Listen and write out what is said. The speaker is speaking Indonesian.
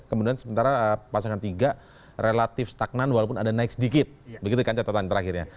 kemudian sementara pasangan tiga relatif stagnan walaupun ada naik sedikit begitu kan catatan terakhirnya